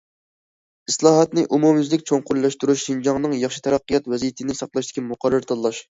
ئىسلاھاتنى ئومۇميۈزلۈك چوڭقۇرلاشتۇرۇش شىنجاڭنىڭ ياخشى تەرەققىيات ۋەزىيىتىنى ساقلاشتىكى مۇقەررەر تاللاش.